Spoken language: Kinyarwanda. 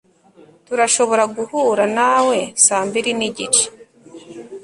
Turashobora guhura nawe saa mbiri nigice